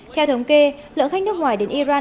theo thống kê lượng khách nước ngoài đến iran